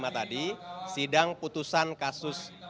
sepuluh sepuluh tiga puluh lima tadi sidang putusan kasus